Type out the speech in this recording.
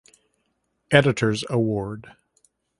Editors Award.